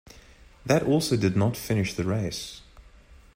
That also did not finish the race.